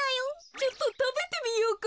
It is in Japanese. ちょっとたべてみようか。